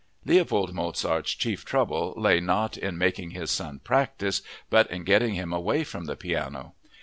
Leopold Mozart's chief trouble lay not in making his son practice but in getting him away from the piano.